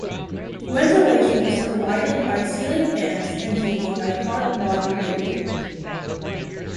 Ventilation is provided by ceiling fans and heating by hot water radiators.